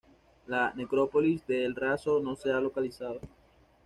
La necrópolis de El Raso no se ha localizado.